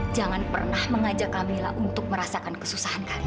jangan pernah mengajak camilla untuk merasakan kesusahan kalian